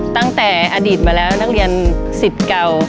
ตั้งแต่อดีตมาแล้วนักเรียนสิทธิ์เก่า